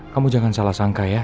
kamu jangan salah sangka ya